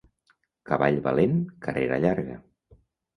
Cavall valent, carrera llarga.